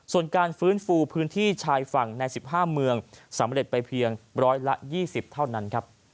ส่วนการฟื้นฟูพื้นที่ชายฝั่งใน๑๕เมืองสำเร็จไปเพียงร้อยละ๒๐เท่านั้นครับ